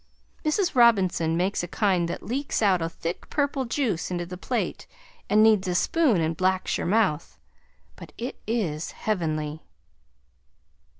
Mrs. Robinson makes a kind that leaks out a thick purple juice into the plate and needs a spoon and blacks your mouth, but is heavenly.